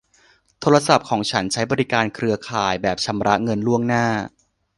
โทรศัพท์ของฉันใช้บริการเครือข่ายแบบชำระเงินล่วงหน้า